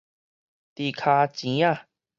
豬跤錢仔